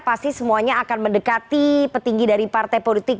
pasti semuanya akan mendekati petinggi dari partai politik